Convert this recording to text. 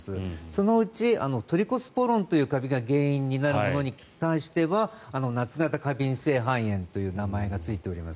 そのうちトリコスポロンというカビが原因になるものに関しては夏型過敏性肺炎という名前がついております。